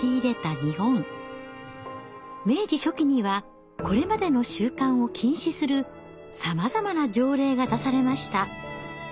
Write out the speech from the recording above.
明治初期にはこれまでの習慣を禁止するさまざまな条例が出されました。